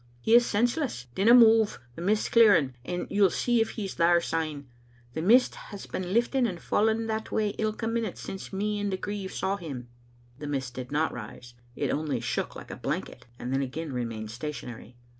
" He is senseless. Dinna move; the mist's clearing, and you'll see if he's there S3nie. The mist has been lifting and falling that way ilka minute since me and the grieve saw him. " The mist did not rise. It only shook like a blanket, and then again remained stationary.